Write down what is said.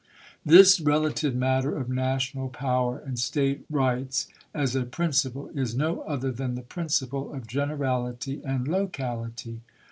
This rela tive matter of national power and State rights, as a principle, is no other than the principle of generality and locality.